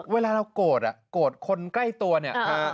เวลาเรากดอ่ะกดคนใกล้ตัวเนี่ย